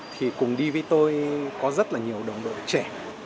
thì cùng đi với tôi có rất là nhiều đồng đội trẻ